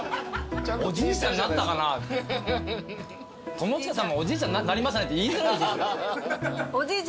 友近さんも「おじいちゃんになりましたね」って言いづらい。